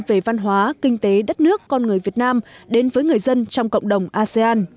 về văn hóa kinh tế đất nước con người việt nam đến với người dân trong cộng đồng asean